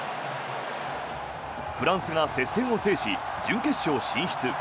フランスが接戦を制し準決勝進出。